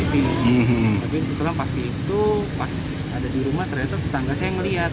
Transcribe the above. tapi kebetulan pas itu pas ada di rumah ternyata tetangga saya ngeliat